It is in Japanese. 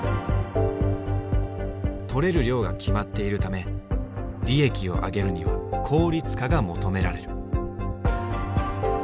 取れる量が決まっているため利益をあげるには効率化が求められる。